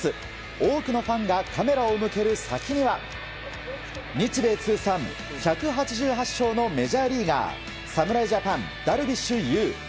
多くのファンがカメラを向ける先には日米通算１８８勝のメジャーリーガー侍ジャパン、ダルビッシュ有。